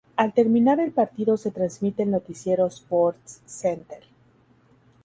Al terminar el partido se transmite el noticiero SportsCenter.